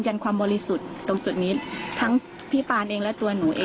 ความบริสุทธิ์ตรงจุดนี้ทั้งพี่ปานเองและตัวหนูเอง